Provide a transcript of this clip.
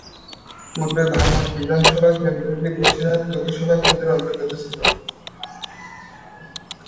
পূর্বে ভাঙড় বিধানসভা কেন্দ্রটি বসিরহাট লোকসভা কেন্দ্রের অন্তর্গত ছিল।